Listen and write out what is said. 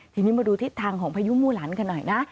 ทีนี้มาดูทิศทางของพายุมู่หลานกันหน่อยนะ